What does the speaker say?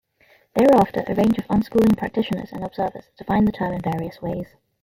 Thereafter a range of unschooling practitioners and observers defined the term in various ways.